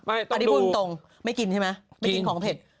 อันนี้พูดตรงไม่กินใช่ไหมไม่กินของเผ็ด